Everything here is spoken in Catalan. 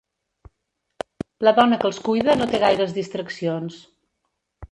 La dona que els cuida no té gaires distraccions.